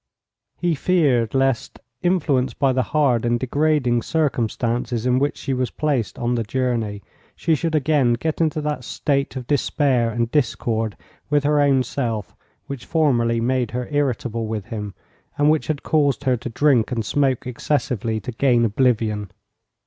He feared lest, influenced by the hard and degrading circumstances in which she was placed on the journey, she should again get into that state of despair and discord with her own self which formerly made her irritable with him, and which had caused her to drink and smoke excessively to gain oblivion.